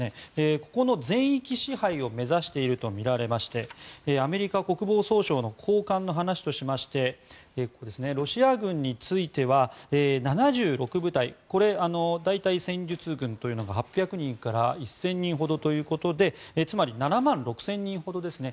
ここの全域支配を目指していると見られましてアメリカ国防総省の高官の話としましてロシア軍については、７６部隊これ、大隊戦術群というのが８００人から１０００人ほどということでつまり７万６０００人ほどですね